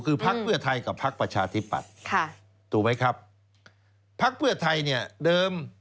คือพักเพื่อไทยกับพักประชาธิปัตย์ค่ะถูกไหมครับพักเพื่อไทยเนี่ยเดิม